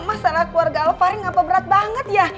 masalah keluarga alfaric gak peberat banget ya